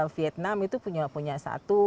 vietnam itu punya satu